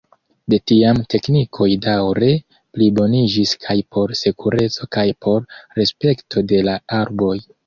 De tiam teknikoj daŭre pliboniĝis kaj por sekureco kaj por respekto de la arboj.